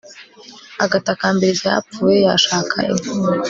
agatakambira icyapfuye; yashaka inkunga